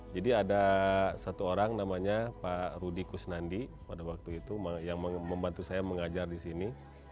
jadi ada satu orang namanya pak rudi kusnandi pada waktu itu yang membantu saya mengajar di sini